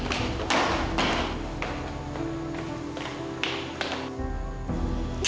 bawa ke atas